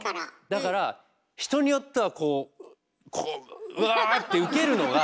だから人によってはこうこううわって受けるのが。